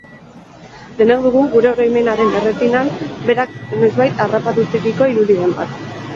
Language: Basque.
Denok dugu gure oroimenaren erretinan berak noizbait harrapaturiko irudiren bat.